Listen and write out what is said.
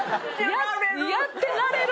やってられる。